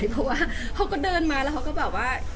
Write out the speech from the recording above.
เขาก็เดินมาแล้วเขาก็แบบว่า